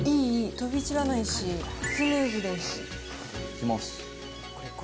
飛び散らないし、スムーズです。いきます。